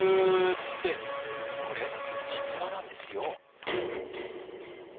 ってこれ実話なんですよ。